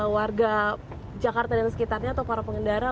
warga jakarta dan sekitarnya atau para pengendara